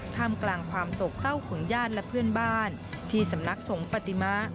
ท่ามกลางความโศกเศร้าของญาติและเพื่อนบ้านที่สำนักสงฆ์ปฏิมะ